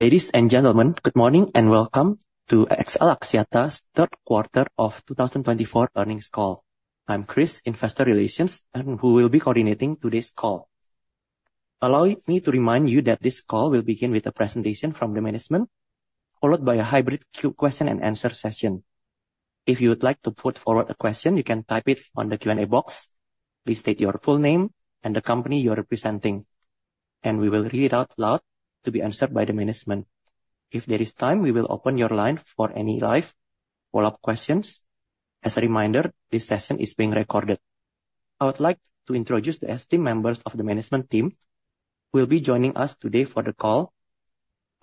Ladies and gentlemen, good morning and welcome to XL Axiata's third quarter of 2024 earnings call. I'm Chris, Investor Relations, and who will be coordinating today's call. Allow me to remind you that this call will begin with a presentation from the management, followed by a hybrid Q&A session. If you would like to put forward a question, you can type it on the Q&A box. Please state your full name and the company you are representing, and we will read it out loud to be answered by the management. If there is time, we will open your line for any live follow-up questions. As a reminder, this session is being recorded. I would like to introduce the esteemed members of the management team who will be joining us today for the call: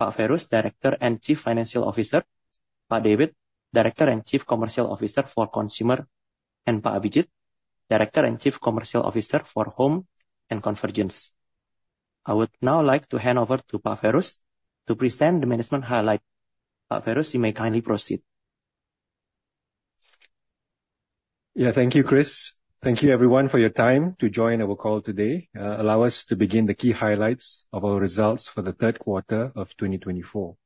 Pak Feiruz, Director and Chief Financial Officer, Pak David, Director and Chief Commercial Officer for Consumer, and Pak Abhijit, Director and Chief Commercial Officer for Home and Convergence. I would now like to hand over to Pak Feiruz to present the management highlights. Pak Feiruz, you may kindly proceed. Yeah, thank you, Chris. Thank you, everyone, for your time to join our call today. Allow us to begin the key highlights of our results for the third quarter of 2024.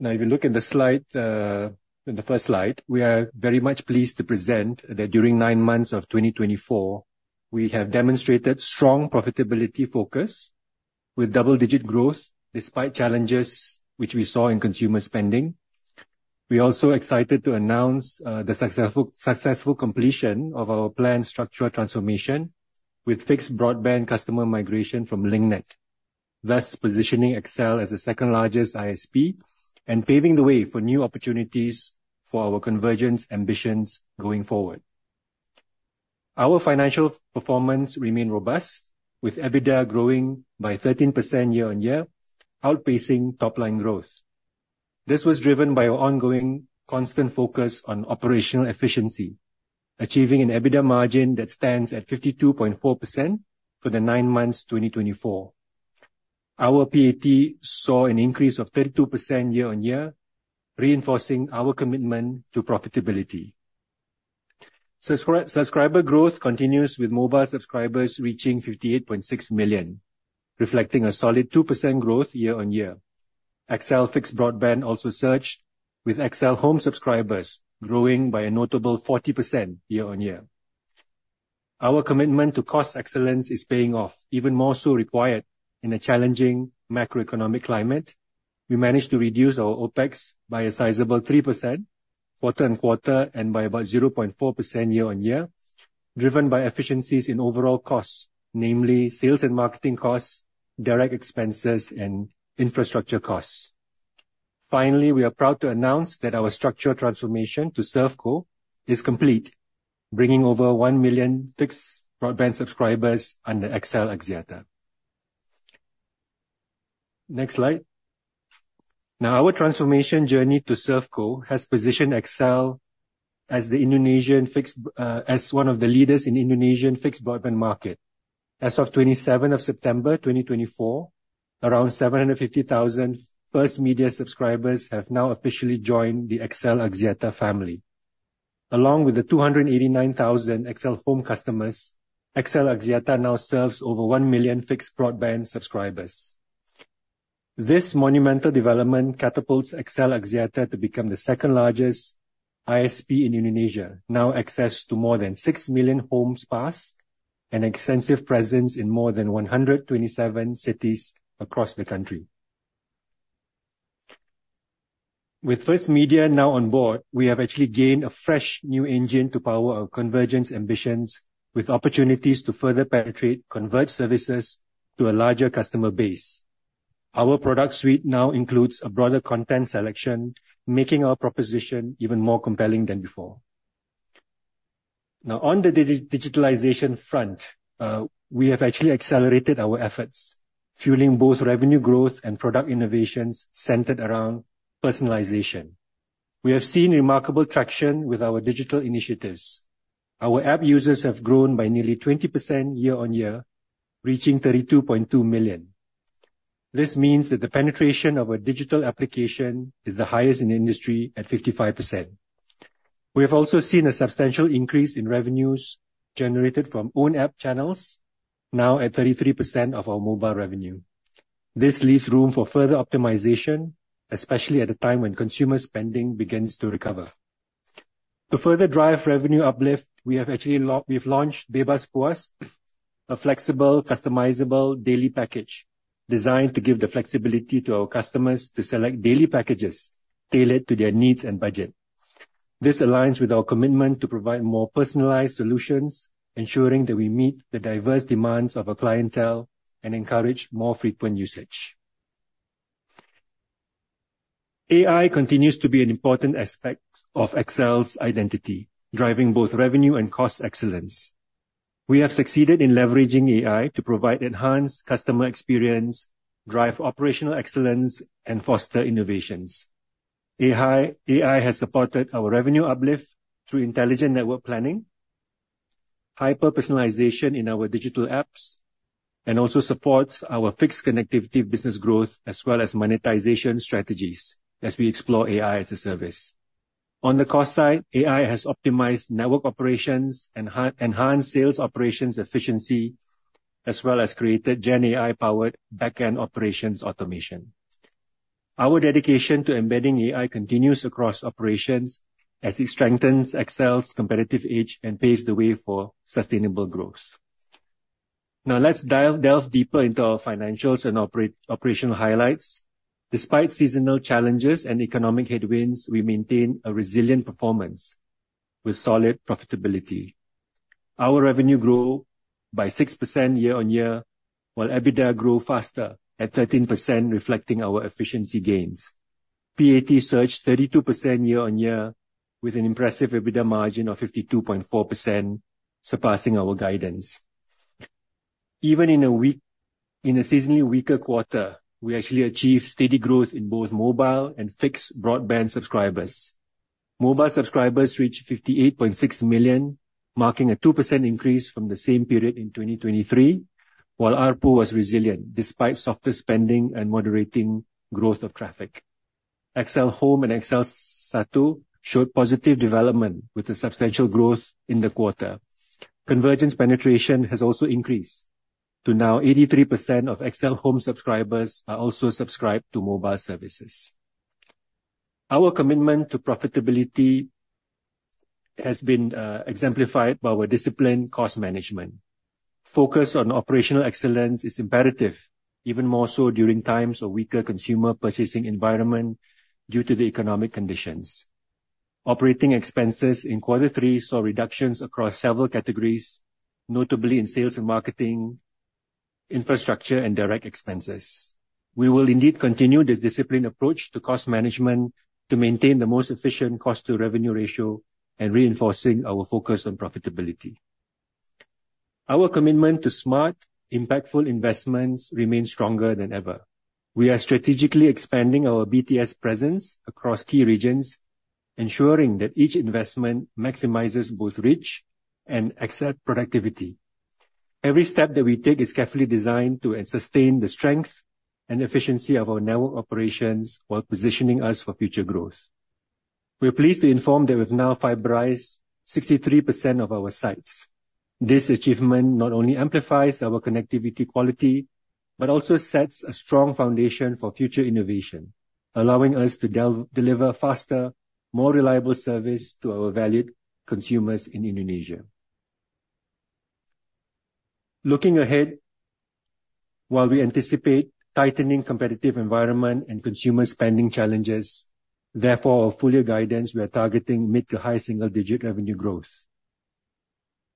Now, if you look at the slide, the first slide, we are very much pleased to present that during nine months of 2024, we have demonstrated strong profitability focus with double-digit growth despite challenges which we saw in consumer spending. We are also excited to announce the successful completion of our planned structural transformation with fixed broadband customer migration from Link Net, thus positioning XL as the second-largest ISP and paving the way for new opportunities for our convergence ambitions going forward. Our financial performance remained robust, with EBITDA growing by 13% year-on-year, outpacing top-line growth. This was driven by our ongoing constant focus on operational efficiency, achieving an EBITDA margin that stands at 52.4% for the nine months 2024. Our PAT saw an increase of 32% year-on-year, reinforcing our commitment to profitability. Subscriber growth continues with mobile subscribers reaching 58.6 million, reflecting a solid 2% growth year-on-year. XL fixed broadband also surged, with XL Home subscribers growing by a notable 40% year-on-year. Our commitment to cost excellence is paying off, even more so required in a challenging macroeconomic climate. We managed to reduce our OPEX by a sizable 3% quarter-on-quarter and by about 0.4% year-on-year, driven by efficiencies in overall costs, namely sales and marketing costs, direct expenses, and infrastructure costs. Finally, we are proud to announce that our structural transformation to ServCo is complete, bringing over 1 million fixed broadband subscribers under XL Axiata. Next slide. Now, our transformation journey to ServCo has positioned XL as one of the leaders in the Indonesian fixed broadband market. As of 27 September 2024, around 750,000 First Media subscribers have now officially joined the XL Axiata family. Along with the 289,000 XL Home customers, XL Axiata now serves over 1 million fixed broadband subscribers. This monumental development catapults XL Axiata to become the second-largest ISP in Indonesia, now has access to more than 6 million homes passed and an extensive presence in more than 127 cities across the country. With First Media now on board, we have actually gained a fresh new engine to power our convergence ambitions, with opportunities to further penetrate converged services to a larger customer base. Our product suite now includes a broader content selection, making our proposition even more compelling than before. Now, on the digitalization front, we have actually accelerated our efforts, fueling both revenue growth and product innovations centered around personalization. We have seen remarkable traction with our digital initiatives. Our app users have grown by nearly 20% year-on-year, reaching 32.2 million. This means that the penetration of a digital application is the highest in the industry at 55%. We have also seen a substantial increase in revenues generated from own app channels, now at 33% of our mobile revenue. This leaves room for further optimization, especially at a time when consumer spending begins to recover. To further drive revenue uplift, we have actually launched Bebas Puas, a flexible, customizable daily package designed to give the flexibility to our customers to select daily packages tailored to their needs and budget. This aligns with our commitment to provide more personalized solutions, ensuring that we meet the diverse demands of our clientele and encourage more frequent usage. AI continues to be an important aspect of XL's identity, driving both revenue and cost excellence. We have succeeded in leveraging AI to provide enhanced customer experience, drive operational excellence, and foster innovations. AI has supported our revenue uplift through intelligent network planning, hyper-personalization in our digital apps, and also supports our fixed connectivity business growth as well as monetization strategies as we explore AI as a service. On the cost side, AI has optimized network operations and enhanced sales operations efficiency, as well as created GenAI-powered backend operations automation. Our dedication to embedding AI continues across operations as it strengthens XL's competitive edge and paves the way for sustainable growth. Now, let's delve deeper into our financials and operational highlights. Despite seasonal challenges and economic headwinds, we maintain a resilient performance with solid profitability. Our revenue grew by 6% year-on-year, while EBITDA grew faster at 13%, reflecting our efficiency gains. PAT surged 32% year-on-year, with an impressive EBITDA margin of 52.4%, surpassing our guidance. Even in a seasonally weaker quarter, we actually achieved steady growth in both mobile and fixed broadband subscribers. Mobile subscribers reached 58.6 million, marking a 2% increase from the same period in 2023, while ARPU was resilient despite softer spending and moderating growth of traffic. XL Home and XL SATU showed positive development with a substantial growth in the quarter. Convergence penetration has also increased to now 83% of XL Home subscribers are also subscribed to mobile services. Our commitment to profitability has been exemplified by our disciplined cost management. Focus on operational excellence is imperative, even more so during times of weaker consumer purchasing environment due to the economic conditions. Operating expenses in quarter three saw reductions across several categories, notably in sales and marketing, infrastructure, and direct expenses. We will indeed continue this disciplined approach to cost management to maintain the most efficient cost-to-revenue ratio and reinforcing our focus on profitability. Our commitment to smart, impactful investments remains stronger than ever. We are strategically expanding our BTS presence across key regions, ensuring that each investment maximizes both reach and excellent productivity. Every step that we take is carefully designed to sustain the strength and efficiency of our network operations while positioning us for future growth. We're pleased to inform that we've now fiberized 63% of our sites. This achievement not only amplifies our connectivity quality but also sets a strong foundation for future innovation, allowing us to deliver faster, more reliable service to our valued consumers in Indonesia. Looking ahead, while we anticipate tightening competitive environment and consumer spending challenges, therefore, our full guidance, we are targeting mid to high single-digit revenue growth.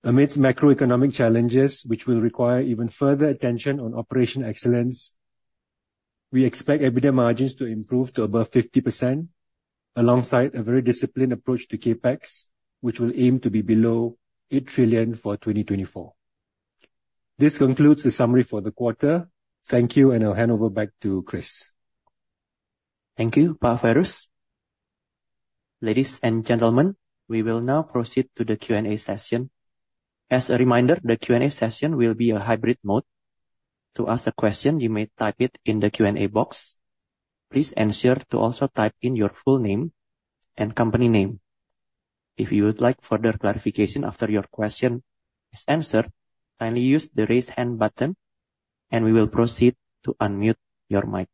Amidst macroeconomic challenges, which will require even further attention on operational excellence, we expect EBITDA margins to improve to above 50% alongside a very disciplined approach to CAPEX, which will aim to be below 8 trillion for 2024. This concludes the summary for the quarter. Thank you, and I'll hand over back to Chris. Thank you, Pak Feiruz. Ladies and gentlemen, we will now proceed to the Q&A session. As a reminder, the Q&A session will be a hybrid mode. To ask a question, you may type it in the Q&A box. Please ensure to also type in your full name and company name. If you would like further clarification after your question is answered, kindly use the raise hand button, and we will proceed to unmute your mic.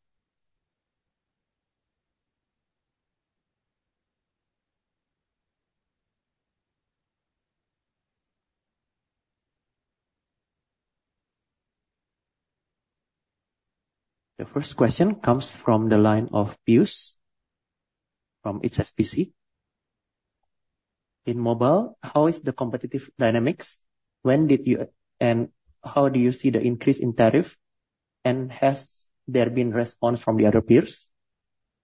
The first question comes from the line of Pius from HSBC. In mobile, how is the competitive dynamics? When did you and how do you see the increase in tariff? And has there been a response from the other peers?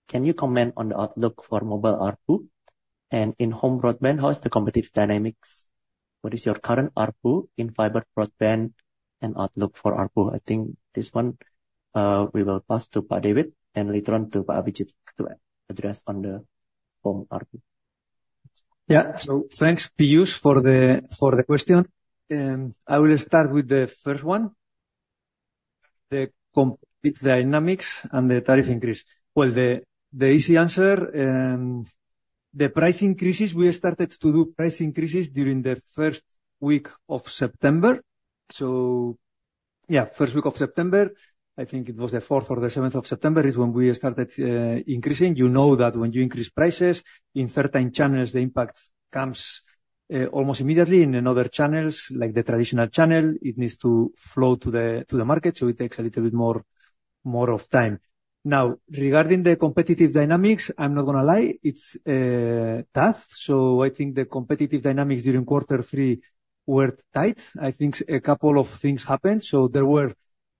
Can you comment on the outlook for mobile ARPU? And in home broadband, how is the competitive dynamics? What is your current ARPU in fiber broadband and outlook for ARPU? I think this one we will pass to Pak David and later on to Pak Abhijit to address on the home ARPU. Yeah, so thanks, Pius, for the question. I will start with the first one, the complete dynamics and the tariff increase. Well, the easy answer, the price increases. We started to do price increases during the first week of September. So yeah, first week of September, I think it was the 4th or the 7th of September is when we started increasing. You know that when you increase prices, in certain channels, the impact comes almost immediately. In other channels, like the traditional channel, it needs to flow to the market, so it takes a little bit more of time. Now, regarding the competitive dynamics, I'm not going to lie, it's tough. So I think the competitive dynamics during quarter three were tight. I think a couple of things happened. So there were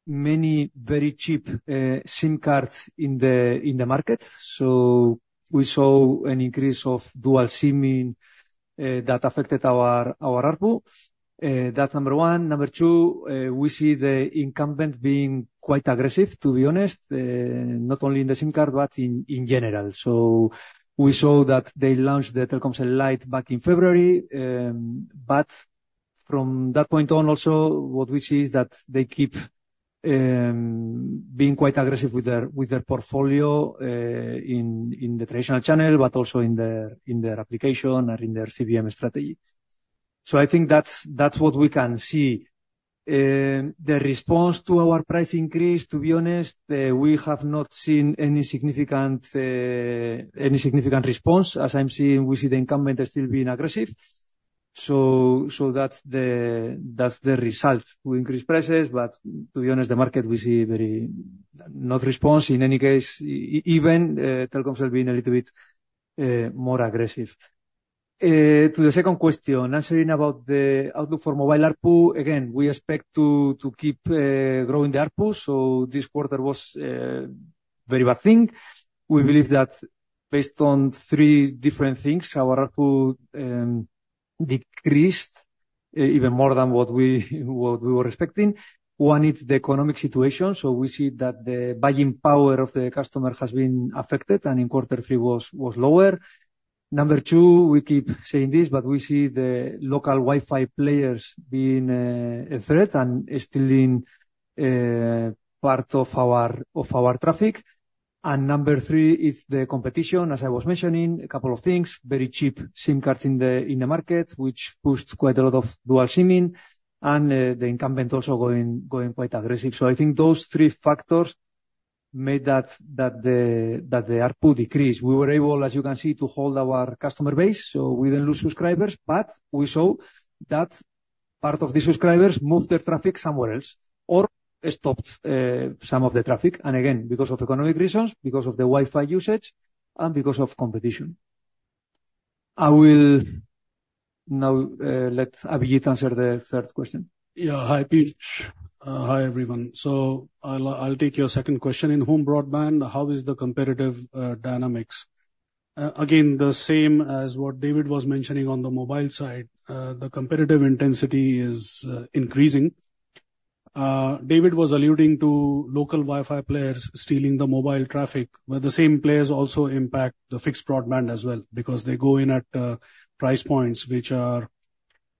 many very cheap SIM cards in the market. So we saw an increase of dual SIM that affected our ARPU. That's number one. Number two, we see the incumbent being quite aggressive, to be honest, not only in the SIM card but in general. So we saw that they launched the Telkomsel Lite back in February. But from that point on, also, what we see is that they keep being quite aggressive with their portfolio in the traditional channel, but also in their application and in their CBM strategy. So I think that's what we can see. The response to our price increase, to be honest, we have not seen any significant response. As I'm seeing, we see the incumbent still being aggressive. So that's the result. We increase prices, but to be honest, the market, we see very no response. In any case, even Telkomsel being a little bit more aggressive. To the second question, answering about the outlook for mobile ARPU, again, we expect to keep growing the ARPU, so this quarter was a very bad thing. We believe that based on three different things, our ARPU decreased even more than what we were expecting. One is the economic situation, so we see that the buying power of the customer has been affected, and in quarter three was lower. Number two, we keep saying this, but we see the local Wi-Fi players being a threat and stealing part of our traffic, and number three is the competition, as I was mentioning, a couple of things, very cheap SIM cards in the market, which pushed quite a lot of dual SIM in, and the incumbent also going quite aggressive, so I think those three factors made that the ARPU decrease. We were able, as you can see, to hold our customer base, so we didn't lose subscribers, but we saw that part of the subscribers moved their traffic somewhere else or stopped some of the traffic, and again, because of economic reasons, because of the Wi-Fi usage, and because of competition. I will now let Abhijit answer the third question. Yeah, hi, Pius. Hi, everyone. So I'll take your second question. In home broadband, how is the competitive dynamics? Again, the same as what David was mentioning on the mobile side. The competitive intensity is increasing. David was alluding to local Wi-Fi players stealing the mobile traffic, but the same players also impact the fixed broadband as well because they go in at price points which are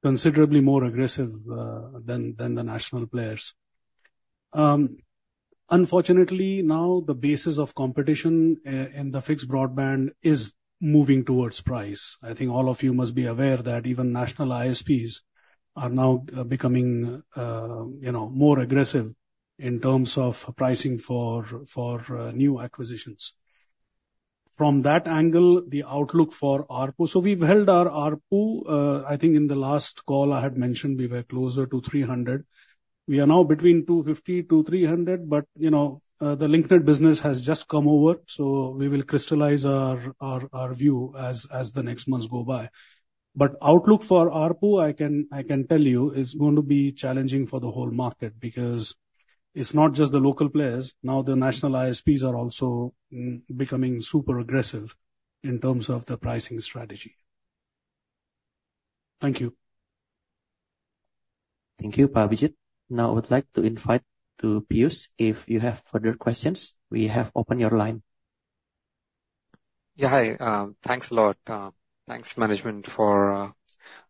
considerably more aggressive than the national players. Unfortunately, now the basis of competition in the fixed broadband is moving towards price. I think all of you must be aware that even national ISPs are now becoming more aggressive in terms of pricing for new acquisitions. From that angle, the outlook for ARPU, so we've held our ARPU. I think in the last call, I had mentioned we were closer to 300. We are now between 250 to 300, but the Link Net business has just come over, so we will crystallize our view as the next months go by. But outlook for ARPU, I can tell you, is going to be challenging for the whole market because it's not just the local players. Now the national ISPs are also becoming super aggressive in terms of the pricing strategy. Thank you. Thank you, Pak Abhijit. Now, I would like to invite Pius if you have further questions. We have opened your line. Yeah, hi. Thanks a lot. Thanks, management, for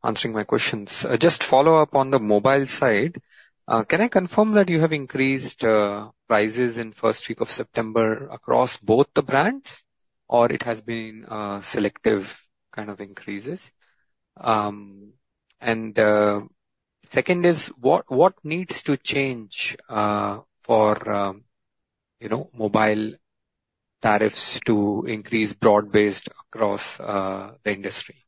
answering my questions. Just follow up on the mobile side. Can I confirm that you have increased prices in the first week of September across both the brands, or it has been selective kind of increases? And second is, what needs to change for mobile tariffs to increase broad-based across the industry?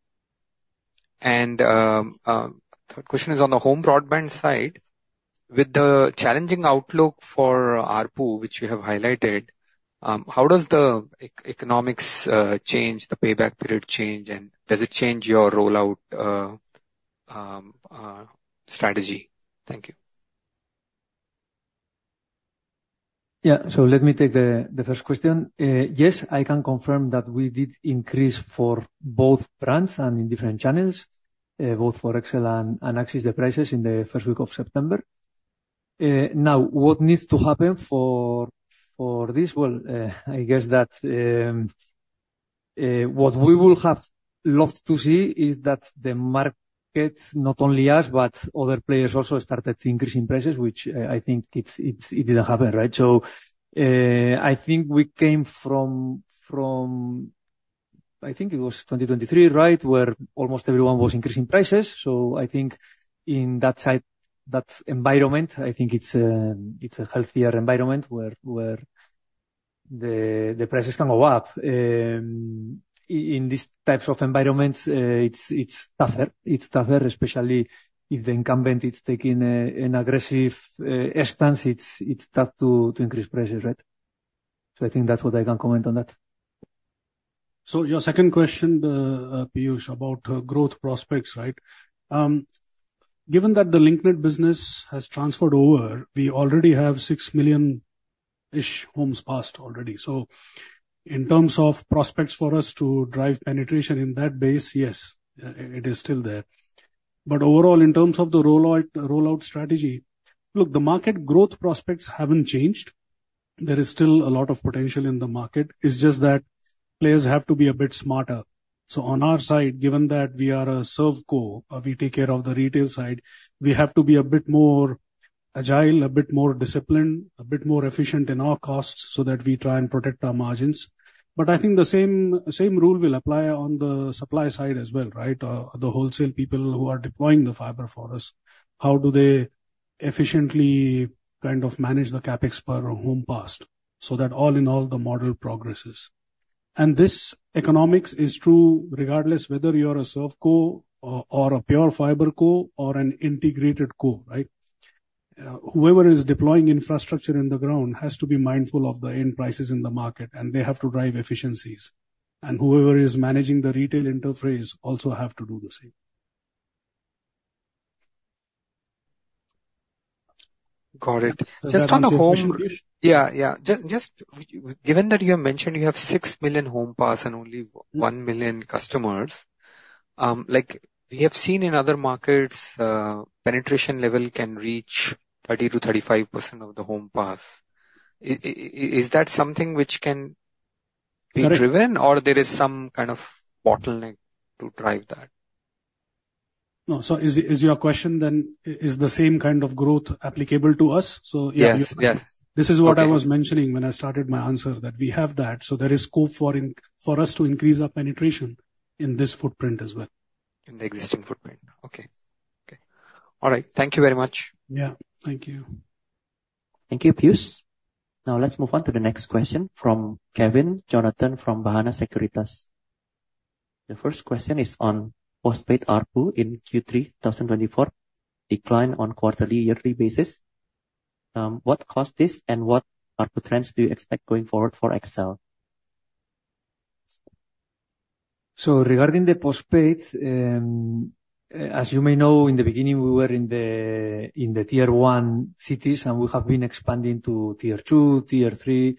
And the third question is on the home broadband side. With the challenging outlook for ARPU, which you have highlighted, how does the economics change, the payback period change, and does it change your rollout strategy? Thank you. Yeah, so let me take the first question. Yes, I can confirm that we did increase for both brands and in different channels, both for XL and AXIS, the prices in the first week of September. Now, what needs to happen for this? Well, I guess that what we would have loved to see is that the market, not only us, but other players also started increasing prices, which I think it didn't happen, right? So I think we came from, I think it was 2023, right, where almost everyone was increasing prices. So I think in that environment, I think it's a healthier environment where the prices can go up. In these types of environments, it's tougher. It's tougher, especially if the incumbent is taking an aggressive stance. It's tough to increase prices, right? So I think that's what I can comment on that. So your second question, Pius, about growth prospects, right? Given that the Link Net business has transferred over, we already have 6 million-ish homes passed already. So in terms of prospects for us to drive penetration in that base, yes, it is still there. But overall, in terms of the rollout strategy, look, the market growth prospects haven't changed. There is still a lot of potential in the market. It's just that players have to be a bit smarter. So on our side, given that we are a ServCo, we take care of the retail side, we have to be a bit more agile, a bit more disciplined, a bit more efficient in our costs so that we try and protect our margins. But I think the same rule will apply on the supply side as well, right? The wholesale people who are deploying the fiber for us, how do they efficiently kind of manage the CAPEX per home passed? So that all in all, the model progresses. And this economics is true regardless whether you're a ServCo or a pure FiberCo or an integrated co, right? Whoever is deploying infrastructure in the ground has to be mindful of the end prices in the market, and they have to drive efficiencies. And whoever is managing the retail interface also has to do the same. Got it. Just on the home. Yeah, yeah. Just given that you have mentioned you have 6 million home passed and only 1 million customers, we have seen in other markets penetration level can reach 30%-35% of the home passed. Is that something which can be driven, or there is some kind of bottleneck to drive that? No, so is your question then is the same kind of growth applicable to us? So yeah, this is what I was mentioning when I started my answer that we have that. So there is scope for us to increase our penetration in this footprint as well. In the existing footprint. Okay. Okay. All right. Thank you very much. Yeah, thank you. Thank you, Pius. Now let's move on to the next question from Kevin Jonathan from Bahana Sekuritas. The first question is on postpaid ARPU in Q3 2024 decline on quarterly yearly basis. What caused this and what ARPU trends do you expect going forward for XL? So regarding the postpaid, as you may know, in the beginning, we were in the tier one cities, and we have been expanding to tier two, tier three,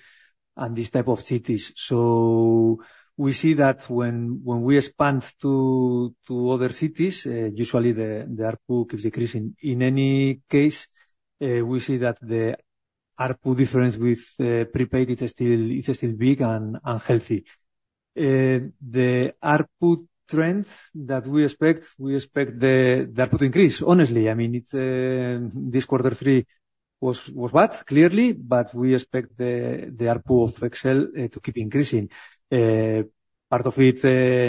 and these types of cities. So we see that when we expand to other cities, usually the ARPU keeps decreasing. In any case, we see that the ARPU difference with prepaid, it's still big and healthy. The ARPU trend that we expect, we expect the ARPU to increase, honestly. I mean, this quarter three was bad, clearly, but we expect the ARPU of XL to keep increasing. Part of it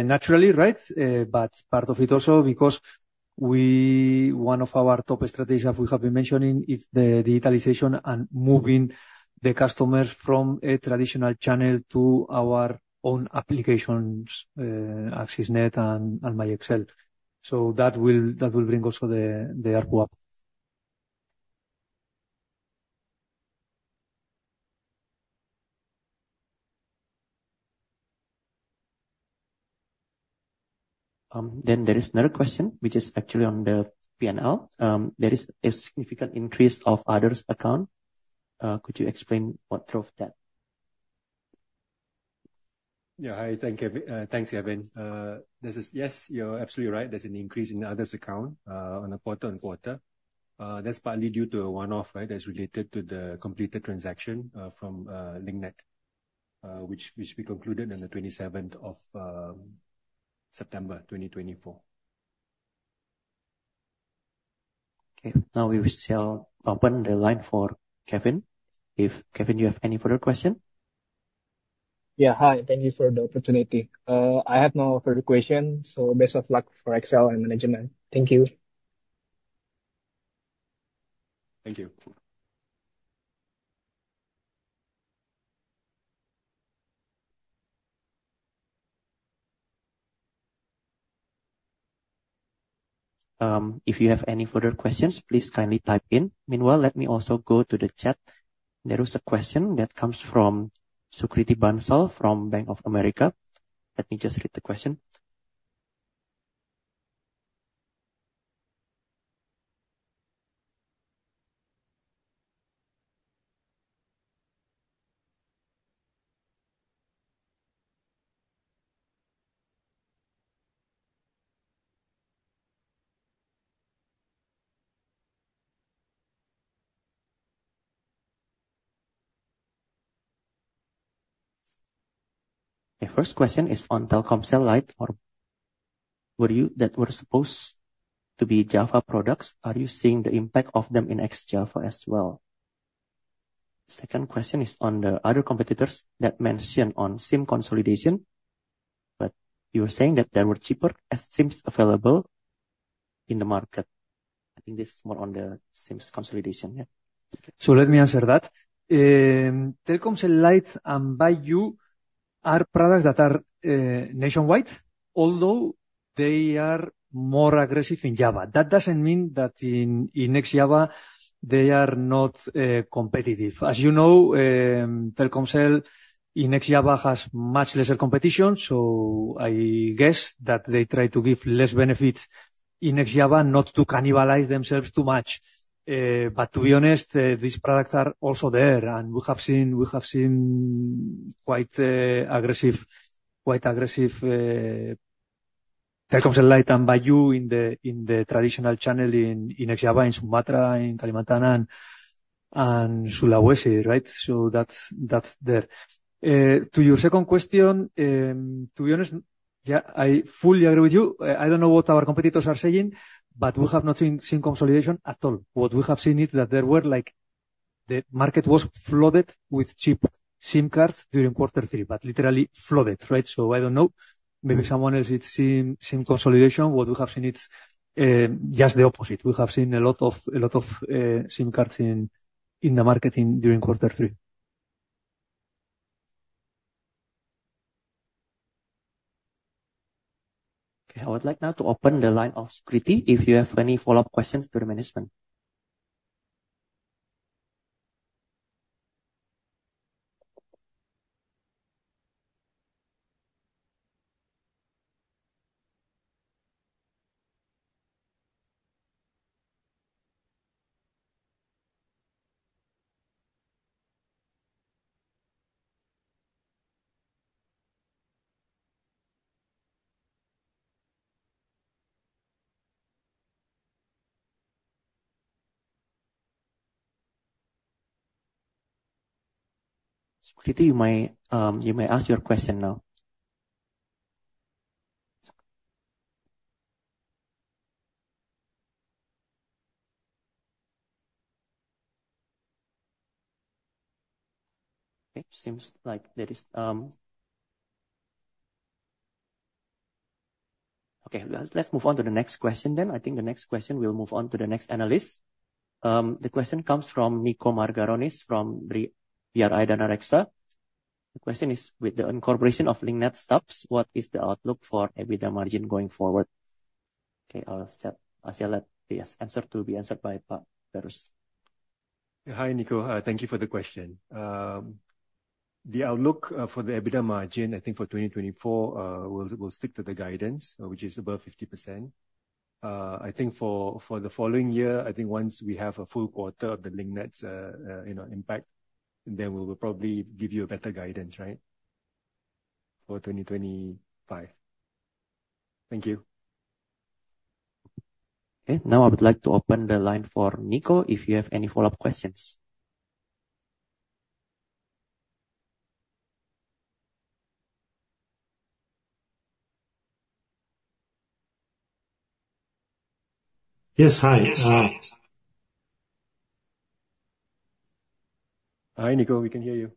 naturally, right? But part of it also because one of our top strategies that we have been mentioning is the digitalization and moving the customers from a traditional channel to our own applications, AXISnet and MyXL. So that will bring also the ARPU up. Then there is another question, which is actually on the P&L. There is a significant increase of others' accounts. Could you explain what drove that? Yeah, hi. Thanks, Kevin. This is, yes, you're absolutely right. There's an increase in others' accounts on a quarter-on-quarter. That's partly due to a one-off that's related to the completed transaction from Link Net, which we concluded on the 27th of September 2024. Okay. Now we will still open the line for Kevin. If Kevin, you have any further question? Yeah, hi. Thank you for the opportunity. I have no further questions. So best of luck for XL and management. Thank you. Thank you. If you have any further questions, please kindly type in. Meanwhile, let me also go to the chat. There is a question that comes from Sukriti Bansal from Bank of America. Let me just read the question. The first question is on Telkomsel Lite or by.U that were supposed to be Java products. Are you seeing the impact of them in Ex-Java as well? The second question is on the other competitors that mentioned on SIM consolidation, but you were saying that there were cheaper SIMs available in the market. I think this is more on the SIMs consolidation, yeah? So let me answer that. Telkomsel Lite and by.U are products that are nationwide, although they are more aggressive in Java. That doesn't mean that in Ex-Java, they are not competitive. As you know, Telkomsel in Ex-Java has much lesser competition. So I guess that they try to give less benefits in Ex-Java, not to cannibalize themselves too much. But to be honest, these products are also there, and we have seen quite aggressive Telkomsel Lite and by.U in the traditional channel in Ex-Java, in Sumatra, in Kalimantan, and Sulawesi, right? So that's there. To your second question, to be honest, yeah, I fully agree with you. I don't know what our competitors are saying, but we have not seen consolidation at all. What we have seen is that there were like the market was flooded with cheap SIM cards during quarter three, but literally flooded, right? So I don't know. Maybe someone else did SIM consolidation. What we have seen is just the opposite. We have seen a lot of SIM cards in the market during quarter three. Okay. I would like now to open the line of Sukriti if you have any follow-up questions to the management. Sukriti, you may ask your question now. Okay. Seems like there isn't. Okay. Let's move on to the next question then. I think the next question will move on to the next analyst. The question comes from Niko Margaronis from BRI Danareksa. The question is, with the incorporation of Link Net subs, what is the outlook for EBITDA margin going forward? Okay. I'll let this be answered by Pak Feiruz. Yeah, hi, Nico. Thank you for the question. The outlook for the EBITDA margin, I think for 2024, we'll stick to the guidance, which is above 50%. I think for the following year, I think once we have a full quarter of the Link Net's impact, then we will probably give you a better guidance, right, for 2025. Thank you. Okay. Now I would like to open the line for Nico if you have any follow-up questions. Yes, hi. Yes. Hi, Nico. We can hear you.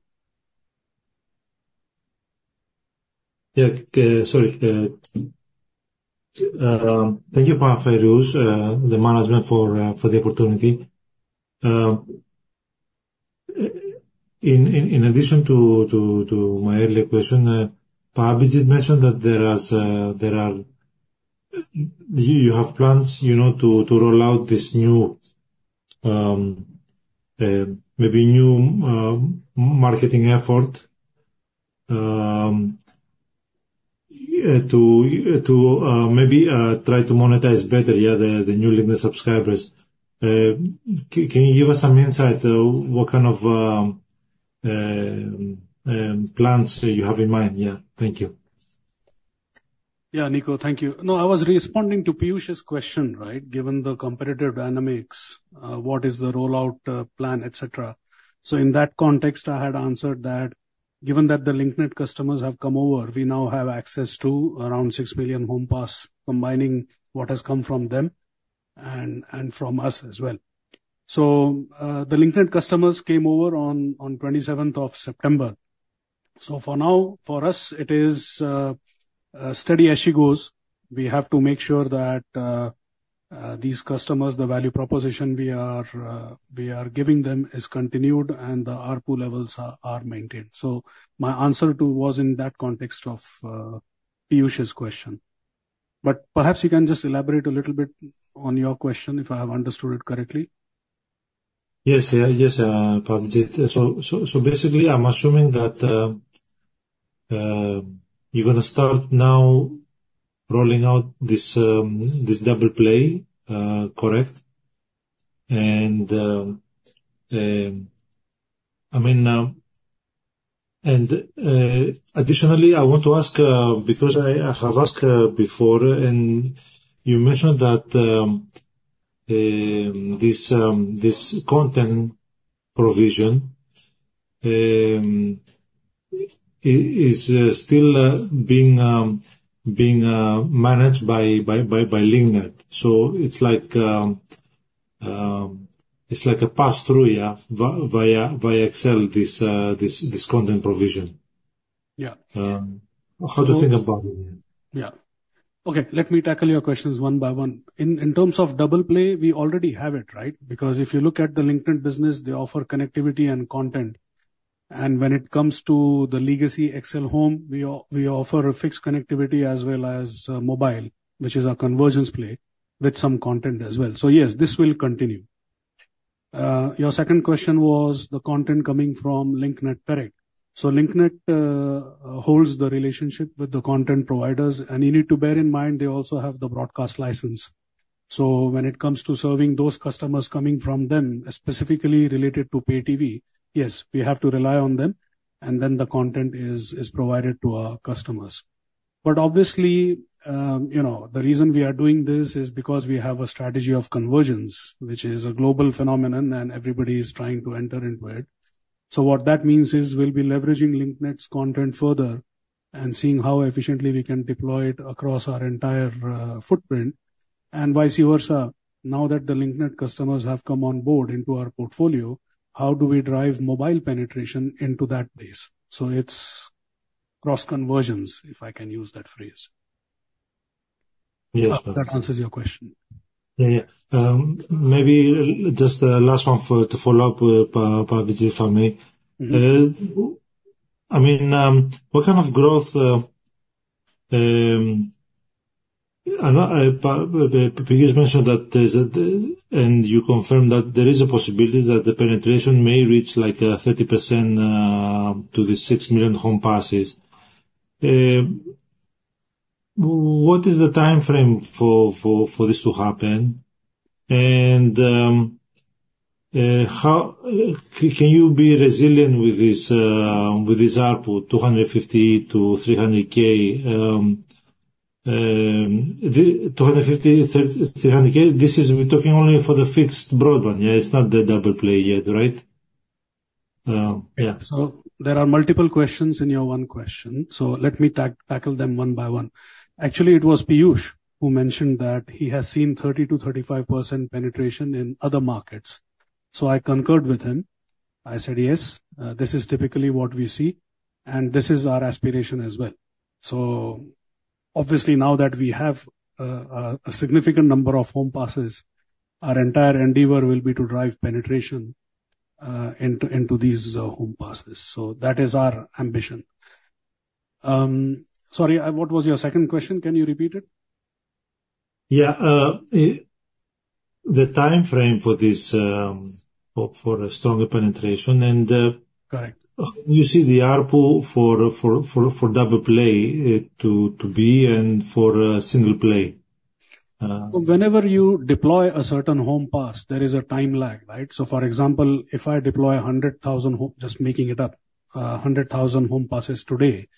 Yeah. Sorry. Thank you, Pak Feiruz, the management, for the opportunity. In addition to my earlier question, Pak Abhijit mentioned that you have plans to roll out this new, maybe new marketing effort to maybe try to monetize better, yeah, the new Link Net subscribers. Can you give us some insight? What kind of plans you have in mind? Yeah. Thank you. Yeah, Nico. Thank you. No, I was responding to Pius's question, right? Given the competitive dynamics, what is the rollout plan, etc.? So in that context, I had answered that given that the Link Net customers have come over, we now have access to around 6 million home passed, combining what has come from them and from us as well. So the Link Net customers came over on 27th of September. So for now, for us, it is steady as she goes. We have to make sure that these customers, the value proposition we are giving them is continued and the ARPU levels are maintained. So my answer was in that context of Pius's question. But perhaps you can just elaborate a little bit on your question if I have understood it correctly. Yes, yes, Pak Abhijit. So basically, I'm assuming that you're going to start now rolling out this double play, correct? And I mean, additionally, I want to ask because I have asked before, and you mentioned that this content provision is still being managed by Link Net. So it's like a pass-through, yeah, via XL, this content provision. Yeah. How do you think about it? Yeah. Okay. Let me tackle your questions one by one. In terms of double play, we already have it, right? Because if you look at the Link Net business, they offer connectivity and content. And when it comes to the legacy XL Home, we offer a fixed connectivity as well as mobile, which is a convergence play with some content as well. So yes, this will continue. Your second question was the content coming from Link Net, correct? So Link Net holds the relationship with the content providers, and you need to bear in mind they also have the broadcast license. So when it comes to serving those customers coming from them, specifically related to pay TV, yes, we have to rely on them, and then the content is provided to our customers. But obviously, the reason we are doing this is because we have a strategy of convergence, which is a global phenomenon, and everybody is trying to enter into it. So what that means is we'll be leveraging Link Net's content further and seeing how efficiently we can deploy it across our entire footprint. And vice versa, now that the Link Net customers have come on board into our portfolio, how do we drive mobile penetration into that base? So it's cross-conversions, if I can use that phrase. Yes. That answers your question. Yeah, yeah. Maybe just the last one to follow up, Pak Abhijit, if I may. I mean, what kind of growth? Pius mentioned that there's a, and you confirmed that there is a possibility that the penetration may reach like 30% to the 6 million home passed. What is the time frame for this to happen? And can you be resilient with this ARPU, 250-300K? This is, we're talking only for the fixed broadband, yeah? It's not the double play yet, right? Yeah. So there are multiple questions in your one question. So let me tackle them one by one. Actually, it was Pius who mentioned that he has seen 30%-35% penetration in other markets. So I concurred with him. I said, "Yes, this is typically what we see, and this is our aspiration as well." So obviously, now that we have a significant number of home passes, our entire endeavor will be to drive penetration into these home passes. So that is our ambition. Sorry, what was your second question? Can you repeat it? Yeah. The time frame for this for a stronger penetration and. Correct. You see the ARPU for double play to be and for single play. Whenever you deploy a certain home pass, there is a time lag, right? So for example, if I deploy 100,000, just making it up, 100,000 home passes today,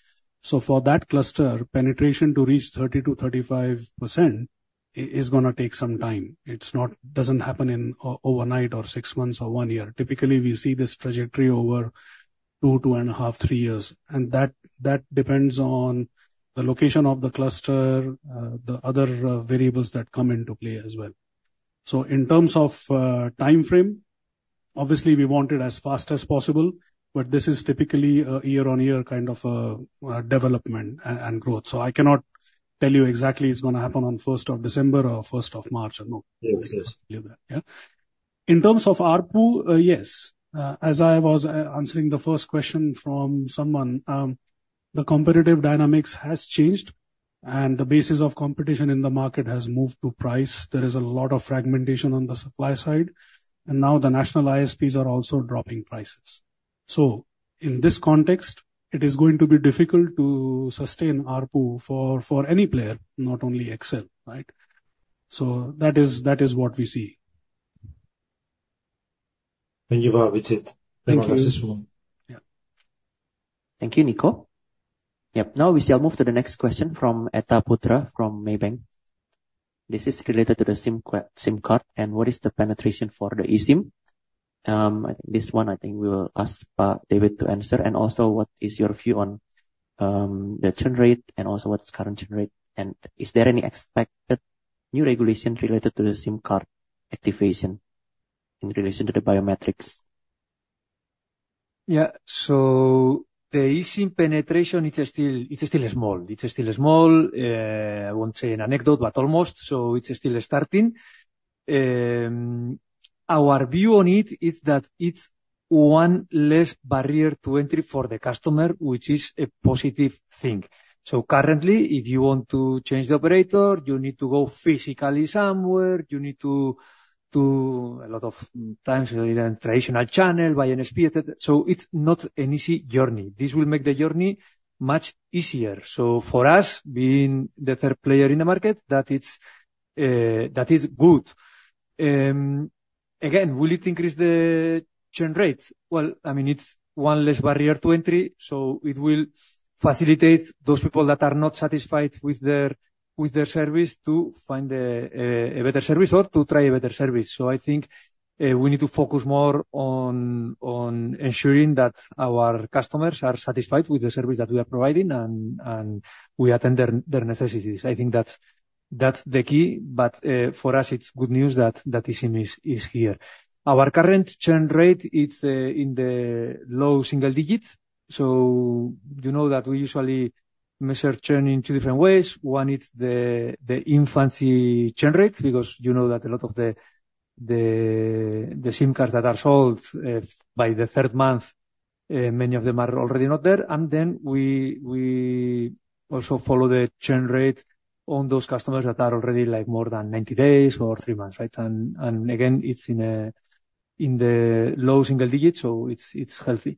so for that cluster, penetration to reach 30%-35% is going to take some time. It doesn't happen overnight or six months or one year. Typically, we see this trajectory over two, two and a half, three years, and that depends on the location of the cluster, the other variables that come into play as well, so in terms of time frame, obviously, we want it as fast as possible, but this is typically a year-on-year kind of development and growth, so I cannot tell you exactly it's going to happen on 1st of December or 1st of March. Yes, yes. Yeah. In terms of ARPU, yes. As I was answering the first question from someone, the competitive dynamics has changed, and the basis of competition in the market has moved to price. There is a lot of fragmentation on the supply side. And now the national ISPs are also dropping prices. So in this context, it is going to be difficult to sustain ARPU for any player, not only XL, right? So that is what we see. Thank you, Pak Abhijit. Thank you. Yeah. Thank you, Nico. Yep. Now we shall move to the next question from Etta Putra from Maybank. This is related to the SIM card and what is the penetration for the eSIM? This one, I think we will ask Pak David to answer. And also, what is your view on the churn rate and also what's current churn rate? And is there any expected new regulation related to the SIM card activation in relation to the biometrics? Yeah. So the eSIM penetration, it's still small. It's still small. I won't say an anecdote, but almost. So it's still starting. Our view on it is that it's one less barrier to entry for the customer, which is a positive thing. So currently, if you want to change the operator, you need to go physically somewhere. You need to do a lot of times in a traditional channel by NSP. So it's not an easy journey. This will make the journey much easier. So for us, being the third player in the market, that is good. Again, will it increase the churn rate? Well, I mean, it's one less barrier to entry. So it will facilitate those people that are not satisfied with their service to find a better service or to try a better service. So I think we need to focus more on ensuring that our customers are satisfied with the service that we are providing and we attend their necessities. I think that's the key. But for us, it's good news that eSIM is here. Our current churn rate, it's in the low single digits. So you know that we usually measure churn in two different ways. One is the infancy churn rates because you know that a lot of the SIM cards that are sold by the third month, many of them are already not there. And then we also follow the churn rate on those customers that are already like more than 90 days or three months, right? And again, it's in the low single digits, so it's healthy.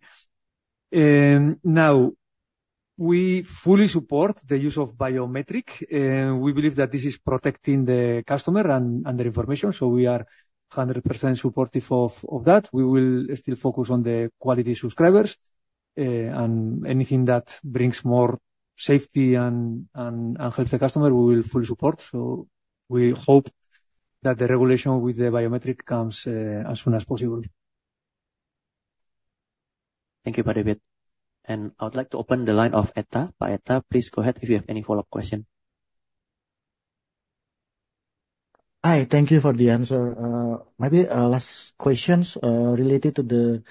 Now, we fully support the use of biometrics. We believe that this is protecting the customer and their information. So we are 100% supportive of that. We will still focus on the quality subscribers. And anything that brings more safety and helps the customer, we will fully support. So we hope that the regulation with the biometric comes as soon as possible. Thank you, Pak David. And I would like to open the line of Etta. Pak Etta, please go ahead if you have any follow-up question. Hi. Thank you for the answer. Maybe last questions related to the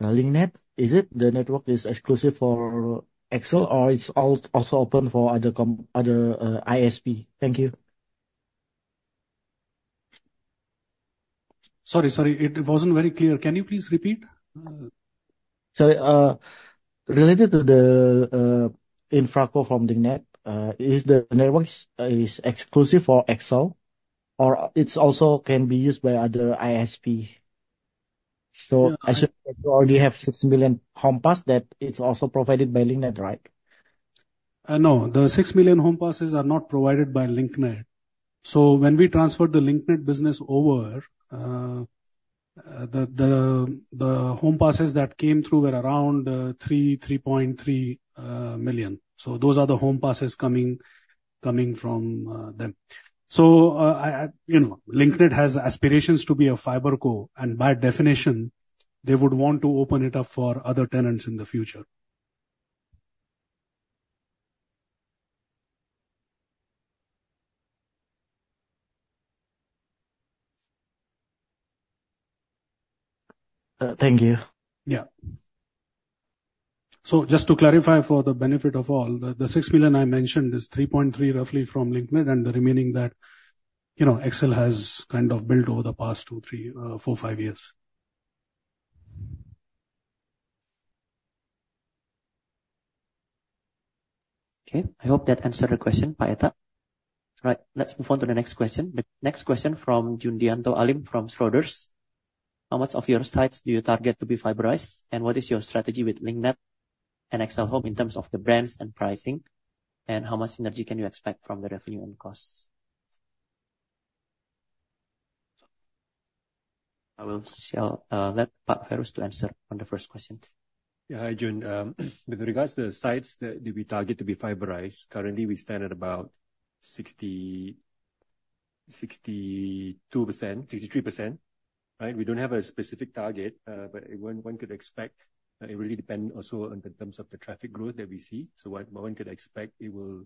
Link Net. Is it the network is exclusive for XL or it's also open for other ISP? Thank you. Sorry, sorry. It wasn't very clear. Can you please repeat? Sorry. Related to the infra core from Link Net, is the network exclusive for XL or it also can be used by other ISP? So I should already have six million home passed that is also provided by Link Net, right? No, the 6 million homes passed are not provided by Link Net. So when we transferred the Link Net business over, the homes passed that came through were around 3.3 million. So those are the homes passed coming from them. So Link Net has aspirations to be a FiberCo. And by definition, they would want to open it up for other tenants in the future. Thank you. Yeah. So just to clarify for the benefit of all, the 6 million I mentioned is 3.3 roughly from Link Net and the remaining that XL has kind of built over the past two, three, four, five years. Okay. I hope that answered your question, Pak Etta. All right. Let's move on to the next question. The next question from Jundianto Alim from Schroders. How much of your sites do you target to be fiberized? And what is your strategy with Link Net and XL Home in terms of the brands and pricing? And how much synergy can you expect from the revenue and costs? I shall let Pak Feiruz to answer on the first question. Yeah, hi, Jun. With regards to the sites that we target to be fiberized, currently, we stand at about 62%, 63%, right? We don't have a specific target, but one could expect it really depends also in terms of the traffic growth that we see. So one could expect it will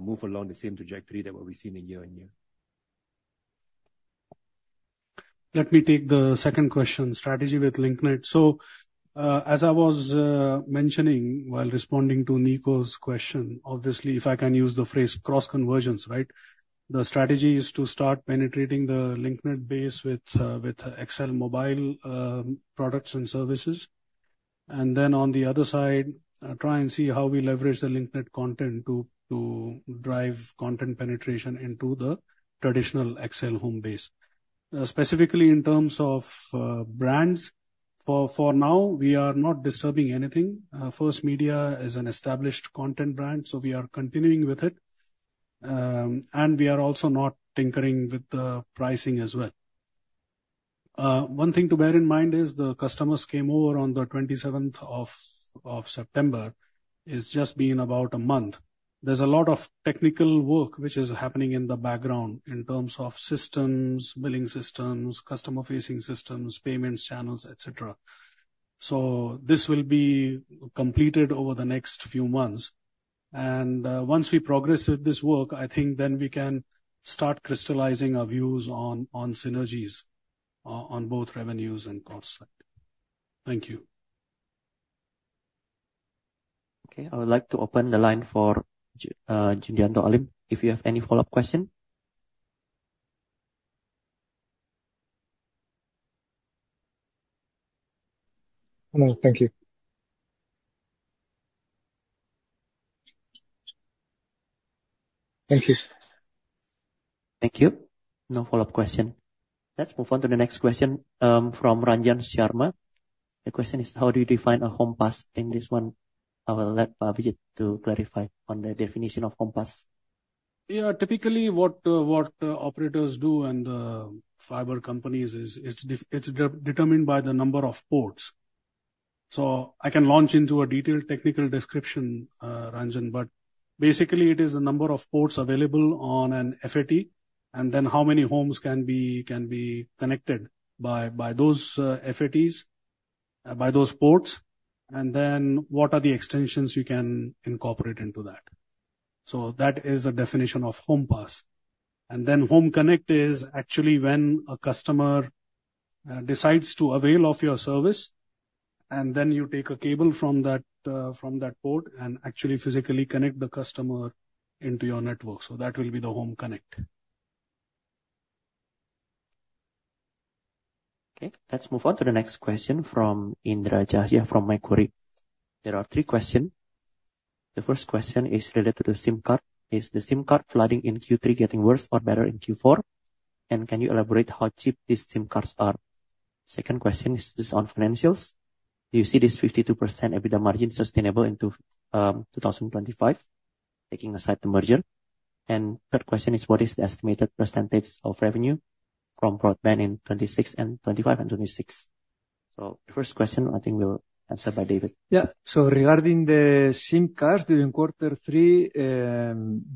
move along the same trajectory than what we've seen in year-on-year. Let me take the second question, strategy with Link Net. So as I was mentioning while responding to Nico's question, obviously, if I can use the phrase cross-conversions, right? The strategy is to start penetrating the Link Net base with XL mobile products and services. And then on the other side, try and see how we leverage the Link Net content to drive content penetration into the traditional XL home base. Specifically in terms of brands, for now, we are not disturbing anything. First Media is an established content brand, so we are continuing with it. And we are also not tinkering with the pricing as well. One thing to bear in mind is the customers came over on the 27th of September, is just being about a month. There's a lot of technical work which is happening in the background in terms of systems, billing systems, customer-facing systems, payments channels, etc. So this will be completed over the next few months. And once we progress with this work, I think then we can start crystallizing our views on synergies on both revenues and costs. Thank you. Okay. I would like to open the line for Jundianto Alim if you have any follow-up question. Thank you. Thank you. Thank you. No follow-up question. Let's move on to the next question from Ranjan Sharma. The question is, how do you define a home passed? In this one, I will let Pak Abhijit to clarify on the definition of home passed. Yeah. Typically, what operators do and the fiber companies is it's determined by the number of ports. So I can launch into a detailed technical description, Ranjan, but basically, it is the number of ports available on an FAT and then how many homes can be connected by those FATs, by those ports, and then what are the extensions you can incorporate into that. So that is a definition of home passed. And then home connect is actually when a customer decides to avail of your service, and then you take a cable from that port and actually physically connect the customer into your network. So that will be the home connect. Okay. Let's move on to the next question from Indra Jahya from Macquarie. There are three questions. The first question is related to the SIM card. Is the SIM card flooding in Q3 getting worse or better in Q4? And can you elaborate how cheap these SIM cards are? Second question is on financials. Do you see this 52% EBITDA margin sustainable into 2025, taking aside the merger? And third question is, what is the estimated percentage of revenue from broadband in 2025 and 2026? So the first question, I think, will be answered by David. Yeah. So regarding the SIM cards during quarter three,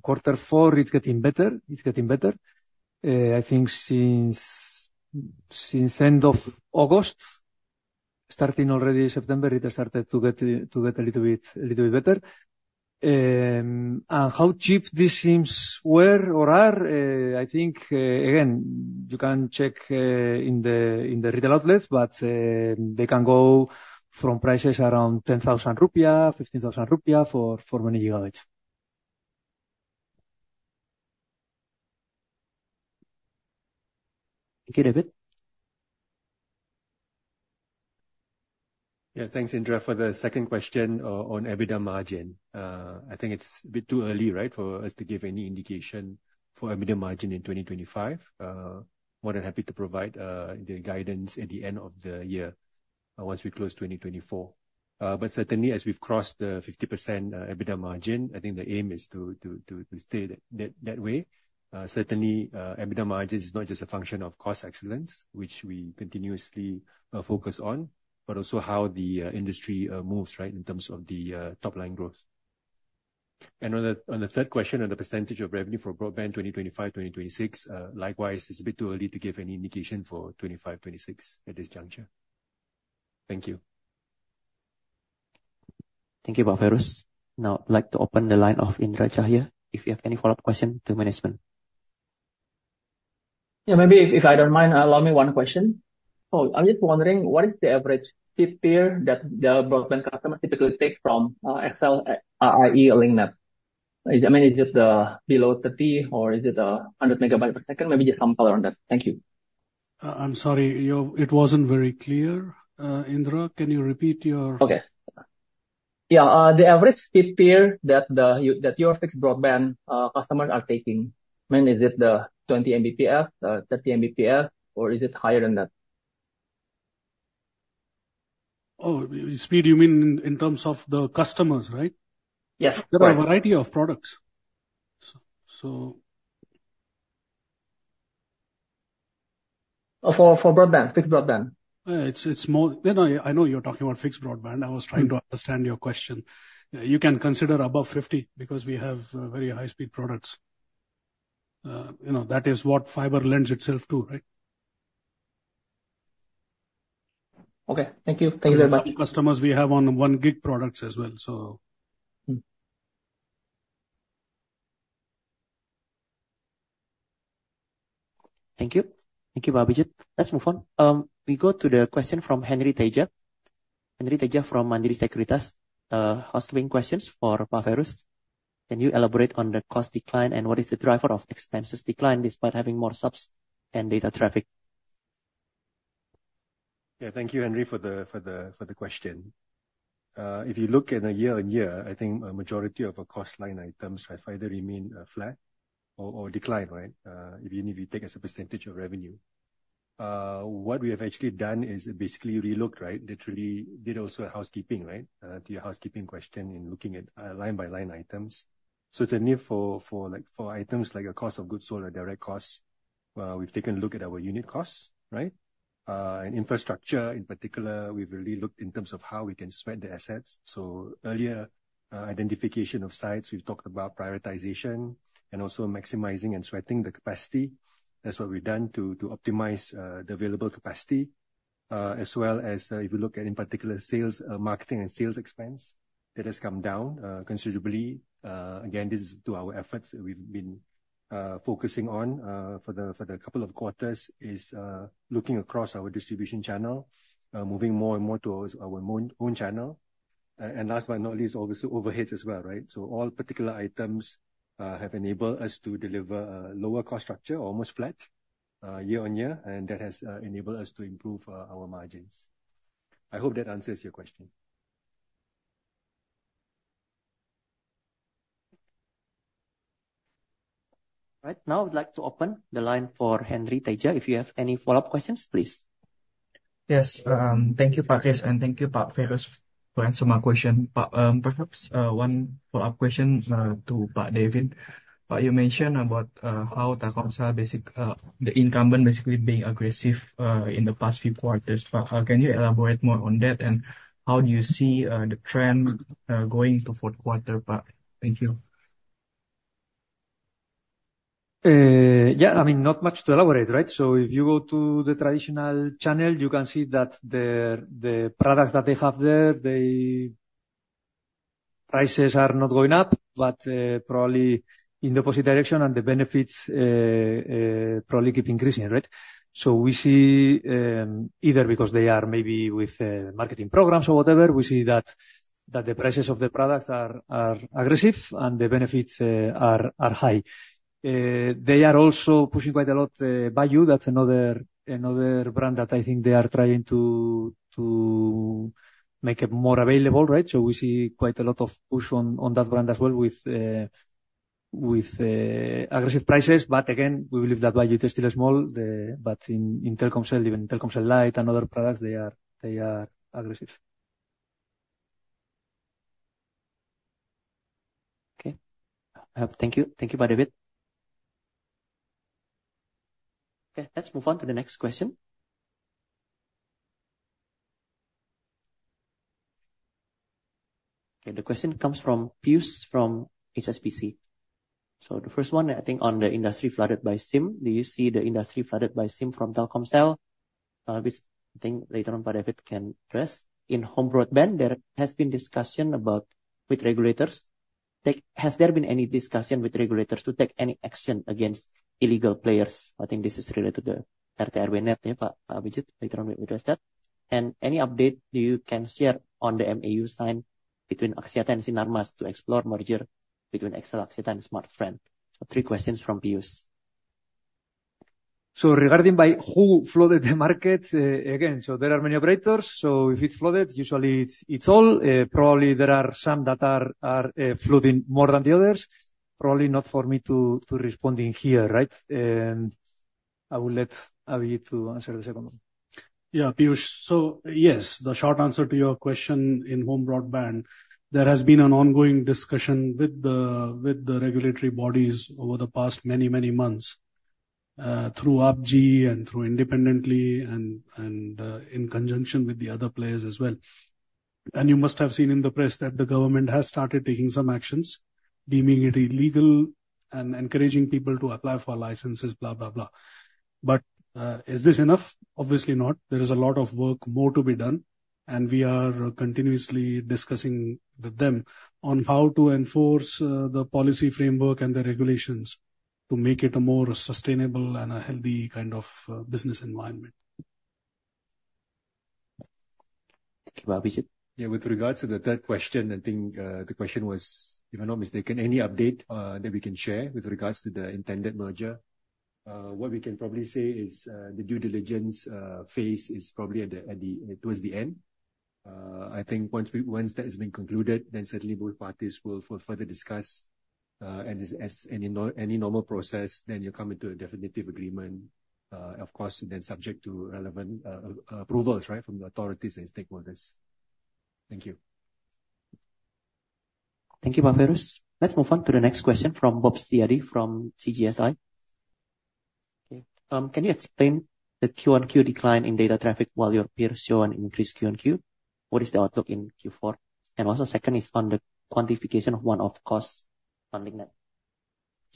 quarter four, it's getting better. It's getting better. I think since end of August, starting already September, it has started to get a little bit better. And how cheap these SIMs were or are, I think, again, you can check in the retail outlets, but they can go from prices around 10,000-15,000 rupiah for many gigabytes. Thank you, David. Yeah. Thanks, Indra, for the second question on EBITDA margin. I think it's a bit too early, right, for us to give any indication for EBITDA margin in 2025. More than happy to provide the guidance at the end of the year once we close 2024. But certainly, as we've crossed the 50% EBITDA margin, I think the aim is to stay that way. Certainly, EBITDA margin is not just a function of cost excellence, which we continuously focus on, but also how the industry moves, right, in terms of the top-line growth. And on the third question, on the percentage of revenue for broadband 2025, 2026, likewise, it's a bit too early to give any indication for 25, 26 at this juncture. Thank you. Thank you, Pak Feiruz. Now, I'd like to open the line of Indra Jahya if you have any follow-up question to management. Yeah, maybe if I don't mind, allow me one question. Oh, I'm just wondering, what is the average speed tier that the broadband customers typically take from XL, i.e., Link Net? I mean, is it below 30, or is it 100 megabytes per second? Maybe just some color on that. Thank you. I'm sorry, it wasn't very clear. Indra, can you repeat your? Okay. Yeah. The average speed tier that your fixed broadband customers are taking, I mean, is it the 20 Mbps, 30 Mbps, or is it higher than that? Oh, speed, you mean in terms of the customers, right? Yes. There are a variety of products. So. For broadband, fixed broadband? It's more. I know you're talking about fixed broadband. I was trying to understand your question. You can consider above 50 because we have very high-speed products. That is what fiber lends itself to, right? Okay. Thank you. Thank you very much. Most of the customers we have on 1-gig products as well. So. Thank you. Thank you, Pak Abhijit. Let's move on. We go to the question from Henry Teja. Henry Teja from Mandiri Sekuritas, housekeeping questions for Pak Feiruz. Can you elaborate on the cost decline and what is the driver of expenses decline despite having more subs and data traffic? Yeah. Thank you, Henry, for the question. If you look in a year-on-year, I think a majority of our cost line items have either remained flat or declined, right, if you take as a percentage of revenue. What we have actually done is basically relooked, right? Literally did also housekeeping, right, to your housekeeping question in looking at line-by-line items. So it's a need for items like a cost of goods sold or direct costs. We've taken a look at our unit costs, right, and infrastructure, in particular, we've really looked in terms of how we can sweat the assets. So earlier identification of sites, we've talked about prioritization and also maximizing and sweating the capacity. That's what we've done to optimize the available capacity. As well as if you look at in particular sales, marketing, and sales expense, that has come down considerably. Again, this is to our efforts that we've been focusing on for the couple of quarters is looking across our distribution channel, moving more and more to our own channel, and last but not least, obviously, overheads as well, right, so all particular items have enabled us to deliver a lower cost structure, almost flat year-on-year, and that has enabled us to improve our margins. I hope that answers your question. All right. Now I'd like to open the line for Henry Teja. If you have any follow-up questions, please. Yes. Thank you, Pak Feiruz, and thank you, Pak Feiruz, for answering my question. Perhaps one follow-up question to Pak David. You mentioned about how the incumbent basically being aggressive in the past few quarters. Can you elaborate more on that? And how do you see the trend going to fourth quarter, Pak? Thank you. Yeah. I mean, not much to elaborate, right? So if you go to the traditional channel, you can see that the products that they have there, the prices are not going up, but probably in the opposite direction, and the benefits probably keep increasing, right? So we see either because they are maybe with marketing programs or whatever, we see that the prices of the products are aggressive and the benefits are high. They are also pushing quite a lot by.U. That's another brand that I think they are trying to make it more available, right? So we see quite a lot of push on that brand as well with aggressive prices. But again, we believe that by.U, it is still small, but in Telkomsel, even Telkomsel Lite and other products, they are aggressive. Okay. Thank you. Thank you, Pak David. Okay. Let's move on to the next question. Okay. The question comes from Pius from HSBC. So the first one, I think on the industry flooded by SIM, do you see the industry flooded by SIM from Telkomsel? I think later on, Pak David can address. In home broadband, there has been discussion with regulators. Has there been any discussion with regulators to take any action against illegal players? I think this is related to the RTRWNet, ya, Pak Abhijit? Later on, we address that. And any update you can share on the MOU signing between Axiata and Sinar Mas to explore merger between XL, Axiata, and Smartfren? Three questions from Pius. So, regarding by.U flooding the market, again, so there are many operators. So if it's flooded, usually it's all. Probably there are some that are flooding more than the others. Probably not for me to respond in here, right? I will let Abhijit answer the second one. Yeah, Pius. So yes, the short answer to your question in home broadband, there has been an ongoing discussion with the regulatory bodies over the past many, many months through Abji and through independently and in conjunction with the other players as well. And you must have seen in the press that the government has started taking some actions, deeming it illegal and encouraging people to apply for licenses, blah, blah, blah. But is this enough? Obviously not. There is a lot of work more to be done. We are continuously discussing with them on how to enforce the policy framework and the regulations to make it a more sustainable and a healthy kind of business environment. Thank you, Pak Abhijit. Yeah. With regards to the third question, I think the question was, if I'm not mistaken, any update that we can share with regards to the intended merger? What we can probably say is the due diligence phase is probably toward the end. I think once that has been concluded, then certainly both parties will further discuss. And as any normal process, then you come into a definitive agreement, of course, then subject to relevant approvals, right, from the authorities and stakeholders. Thank you. Thank you, Pak Feiruz. Let's move on to the next question from Bob Setiadi from CGSI. Okay. Can you explain the Q1Q decline in data traffic while your peers show an increased Q1Q? What is the outlook in Q4? And also second is on the quantification of one-off costs on Link Net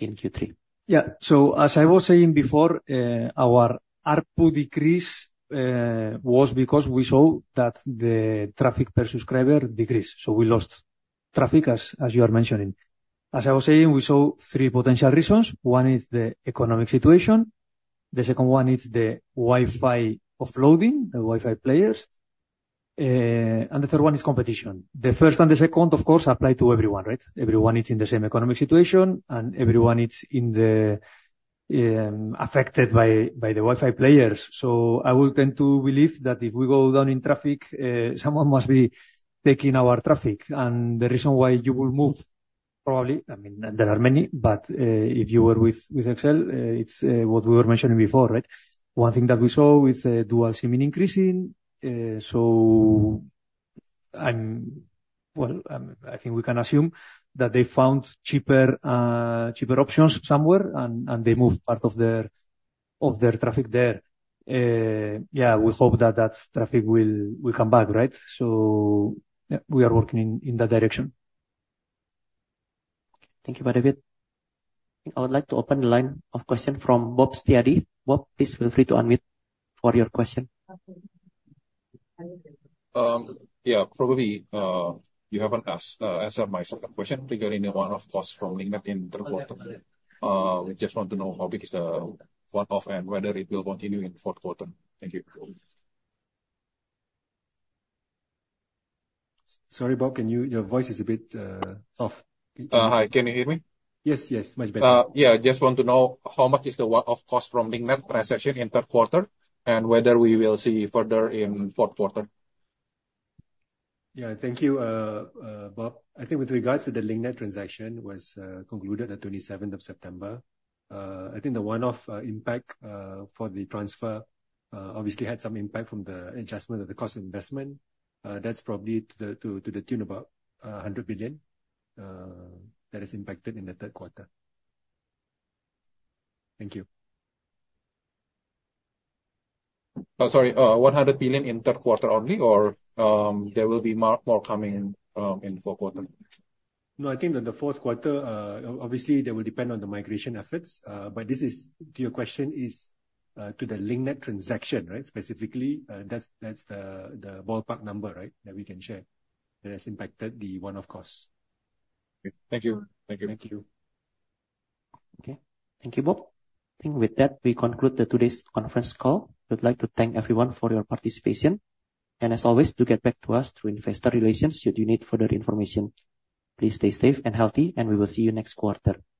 in Q3. Yeah. So as I was saying before, our ARPU decrease was because we saw that the traffic per subscriber decreased. So we lost traffic, as you are mentioning. As I was saying, we saw three potential reasons. One is the economic situation. The second one is the Wi-Fi offloading, the Wi-Fi players. And the third one is competition. The first and the second, of course, apply to everyone, right? Everyone is in the same economic situation, and everyone is affected by the Wi-Fi players. So I would tend to believe that if we go down in traffic, someone must be taking our traffic. And the reason why you will move probably, I mean, there are many, but if you were with XL, it's what we were mentioning before, right? One thing that we saw is dual SIM increasing. So I think we can assume that they found cheaper options somewhere, and they moved part of their traffic there. Yeah, we hope that that traffic will come back, right? So we are working in that direction. Thank you, Pak David. I would like to open the line of question from Bob Setiadi. Bob, please feel free to unmute for your question. Yeah. Probably you haven't answered my second question regarding the one-off cost from Link Net in third quarter. We just want to know how big is the one-off and whether it will continue in fourth quarter? Thank you. Sorry, Bob, your voice is a bit soft. Hi, can you hear me? Yes, yes. Much better. Yeah. Just want to know how much is the one-off cost from Link Net transaction in third quarter and whether we will see further in fourth quarter? Yeah. Thank you, Bob. I think with regards to the Link Net transaction was concluded on the 27th of September, I think the one-off impact for the transfer obviously had some impact from the adjustment of the cost of investment. That's probably to the tune about 100 billion that is impacted in the third quarter. Thank you. Sorry, 100 billion in third quarter only, or there will be more coming in fourth quarter? No, I think that the fourth quarter, obviously, that will depend on the migration efforts. But this is to your question is to the Link Net transaction, right? Specifically, that's the ballpark number, right, that we can share that has impacted the one-off cost. Okay. Thank you. Thank you. Thank you. Okay. Thank you, Bob. I think with that, we conclude today's conference call. We'd like to thank everyone for your participation. And as always, to get back to us through investor relations, should you need further information, please stay safe and healthy, and we will see you next quarter. Thank you.